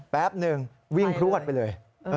แป๊บนึงวิ่งพลวดไปเลย